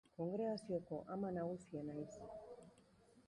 Kongregazioko ama nagusia naiz.